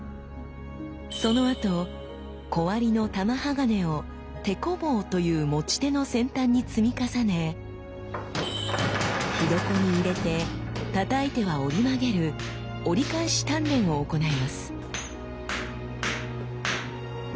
そのあと小割りの玉鋼を「テコ棒」という持ち手の先端に積み重ね火床に入れてたたいては折り曲げる折り返し鍛錬を行います。